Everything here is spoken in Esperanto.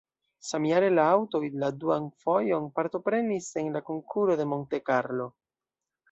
Samjare la aŭtoj la duan fojon partoprenis en la Konkuro de Monte Carlo.